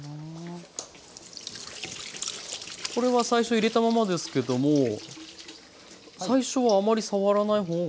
これは最初入れたままですけども最初はあまり触らない方がいいんですか？